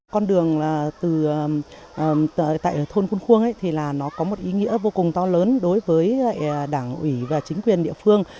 con đường từ tại thôn khuôn khuông thì là nó có một ý nghĩa vô cùng to lớn đối với đảng ủy và chính quyền địa phương